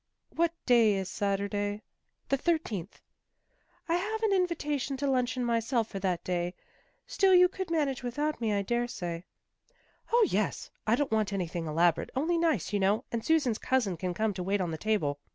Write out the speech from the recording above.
" What day is Saturday? "" The thirteenth." " I have an invitation to luncheon myself for that day; still you could manage without me, I dare say." " 0, yes. I don't want anything elaborate, only nice, you know. And Susan's cousin can come to wait on the table.